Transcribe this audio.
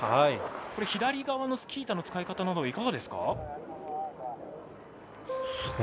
左側のスキー板の使い方などはいかがですか？